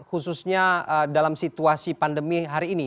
khususnya dalam situasi pandemi hari ini